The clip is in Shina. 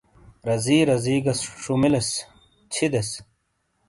رزی رزی گہ شپمیلیس/ چھِیدیس۔